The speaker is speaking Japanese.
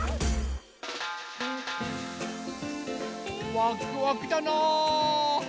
ワクワクだなぁ。